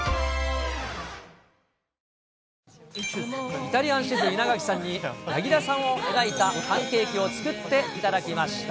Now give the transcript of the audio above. イタリアンシェフ、稲垣さんに、柳楽さんを描いたパンケーキを作っていただきました。